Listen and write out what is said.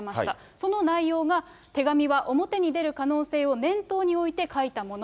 その内容が、手紙は表に出る可能性を念頭に置いて書いたもの。